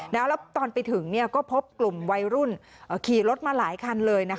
แล้วตอนไปถึงก็พบกลุ่มวัยรุ่นขี่รถมาหลายคันเลย